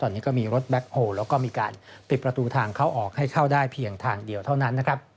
ตอนนี้ก็มีรถแบ็คโฮลแล้วก็มีการปิดประตูทางเข้าออกให้เข้าได้เพียงทางเดียวเท่านั้นนะครับ